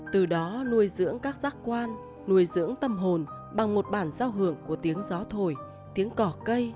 từ đó nuôi dưỡng các giác quan nuôi dưỡng tâm hồn bằng một bản giao hưởng của tiếng gió thổi tiếng cỏ cây